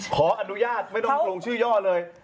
ขออนุญาตไม่ต้องปรุงชื่อย่อเลย